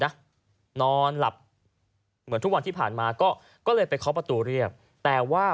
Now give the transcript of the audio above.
นอนหลับเหมือนทุกวันที่ผ่านมาก็เลยไปเคาะประตูเรียกแต่ว่า